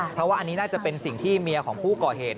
เพราะว่าอันนี้น่าจะเป็นสิ่งที่เมียของผู้ก่อเหตุ